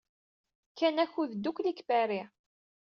Kkan akud ddukkli deg Paris.